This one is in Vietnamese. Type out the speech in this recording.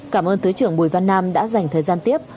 cảm ơn thứ trưởng bùi văn nam đã dành thời gian tiếp